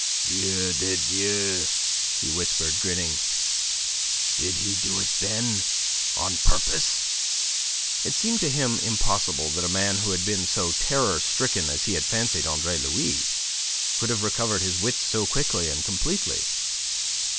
"Dieu de Dieu!" he whispered, grinning. "Did he do it, then, on purpose?" It seemed to him impossible that a man who had been so terror stricken as he had fancied Andre Louis, could have recovered his wits so quickly and completely.